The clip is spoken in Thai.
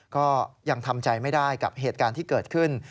ก็ยังทำใจไม่ได้กับเหตุการณ์ที่เกิดขึ้น